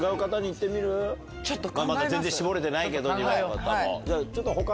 全然絞れてないけど２番の方も。